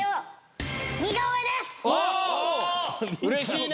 うれしいね。